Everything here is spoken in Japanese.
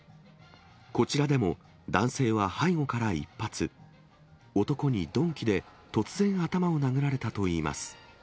こちらでも男性は背後から１発、男に鈍器で突然、頭を殴られたといいます。